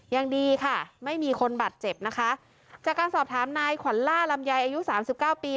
ยังดีค่ะไม่มีคนบาดเจ็บนะคะจากการสอบถามนายขวัญล่าลำไยอายุสามสิบเก้าปี